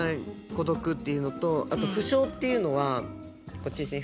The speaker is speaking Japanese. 孤独っていうのとあと不詳っていうのはこっちですね。